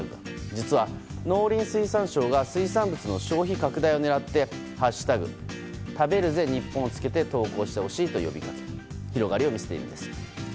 実は農林水産省が水産物の消費拡大を狙って「＃食べるぜニッポン」をつけて投稿してほしいと呼びかけ広がりを見せています。